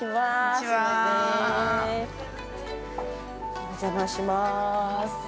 ◆お邪魔しまーす。